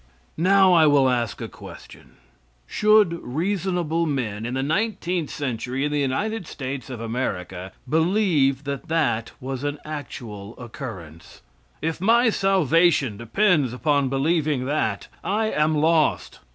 Now I will ask a question: Should reasonable men, in the nineteenth century in the United States of America, believe that that was an actual occurrence? If my salvation depends upon believing that, I am lost.